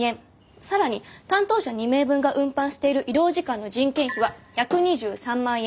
更に担当者２名分が運搬している移動時間の人件費は１２３万円。